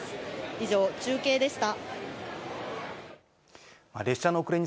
以上、中継でした。